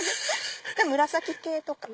紫系とか。